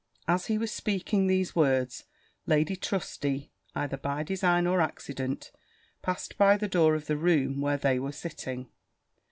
As he was speaking these words, Lady Trusty, either by design or accident, passed by the door of the room where they were sitting.